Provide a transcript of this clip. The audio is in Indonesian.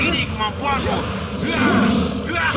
datang dari selatan